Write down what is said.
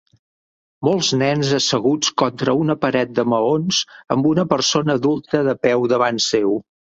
Molts nens asseguts contra una paret de maons amb una persona adulta de peu davant seu.